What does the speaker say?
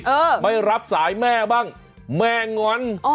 เออไม่รับสายแม่บ้างแม่งอน